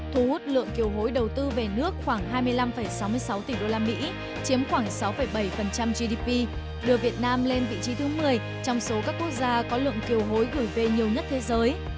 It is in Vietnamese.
thu hút lượng kiều hối đầu tư về nước khoảng hai mươi năm sáu mươi sáu tỷ usd chiếm khoảng sáu bảy gdp đưa việt nam lên vị trí thứ một mươi trong số các quốc gia có lượng kiều hối gửi về nhiều nhất thế giới